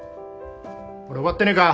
俺終わってねえか？